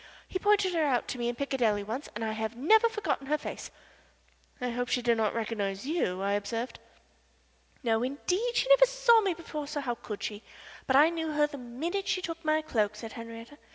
"He pointed her out to me in Piccadilly once and I have never forgotten her face." "I hope she did not recognize you," I observed. "No, indeed she never saw me before, so how could she? But I knew her the minute she took my cloak," said Henriette.